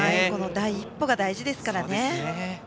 第一歩が大事ですからね。